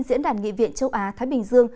diễn đàn nghị viện châu á thái bình dương